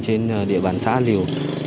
trên địa bàn xã liều